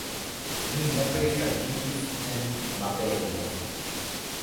Mi nepre ŝanĝiĝis en Mabelon.